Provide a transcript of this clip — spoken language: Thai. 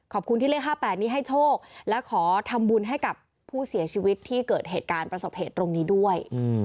ขอบคุณที่เลข๕๘นี้ให้โชคและขอทำบุญให้กับผู้เสียชีวิตที่เกิดเหตุการณ์ประสบเหตุตรงนี้ด้วย